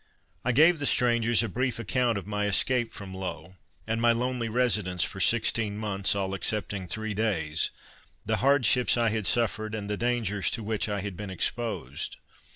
I gave the strangers a brief account of my escape from Low, and my lonely residence for sixteen months, all excepting three days, the hardships I had suffered, and the dangers to which I had been exposed.